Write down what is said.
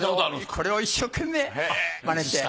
これを一生懸命マネして。